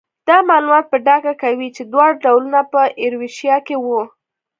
دا معلومات په ډاګه کوي چې دواړه ډولونه په ایروشیا کې وو.